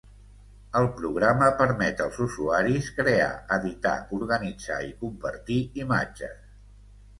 El programa permet als usuaris crear, editar, organitzar i compartir imatges.